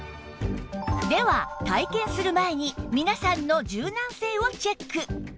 では体験する前に皆さんの柔軟性をチェック